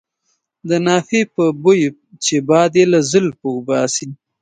د نافې په بوی چې باد یې له زلفو وباسي.